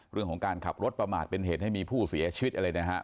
เรื่องของการขับรถประมาทเป็นเหตุให้มีผู้เสียชีวิตอะไรนะฮะ